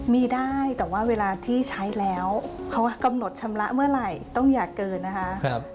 มีได้แต่ว่าเวลาที่ใช้แล้วเขากำหนดชำระเมื่อไหร่ต้องอย่าเกินนะคะ